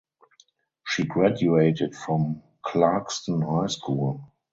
She graduated from Clarkston High School.